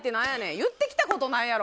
言ってきたことないやろ。